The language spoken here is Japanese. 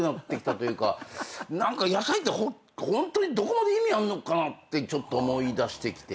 何か野菜ってホントにどこまで意味あんのかなってちょっと思いだしてきて。